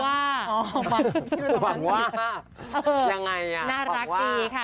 วังว่ายังไงอ่ะวังว่าน่ารักดีค่ะ